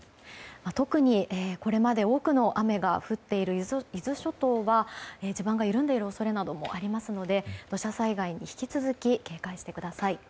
特に、これまで多くの雨が降っている伊豆諸島は地盤が緩んでいる恐れもありますので土砂災害に引き続き警戒してください。